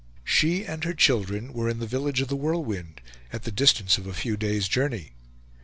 She and her children were in the village of The Whirlwind, at the distance of a few days' journey.